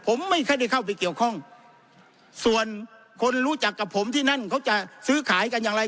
ผมไม่ค่อยได้เข้าไปเกี่ยวข้องส่วนคนรู้จักกับผมที่นั่นเขาจะซื้อขายกันอย่างไร